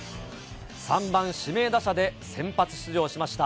３番指名打者で先発出場しました。